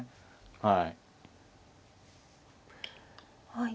はい。